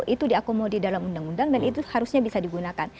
itu diakomodir dalam undang undang dan itu harusnya bisa digunakan